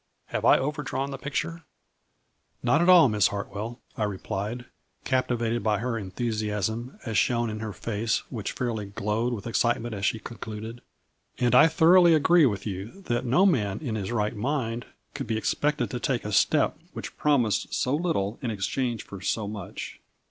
Have I overdrawn the picture ?"" Not at all, Miss Hartwell," I replied, capti vated by her enthusiasm, as shown in her face which fairly glowed with excitement as she con, eluded. "And I thoroughly agree with you that no man, in his right mind, could be ex pected to take a step which promised so little in exchange for so much.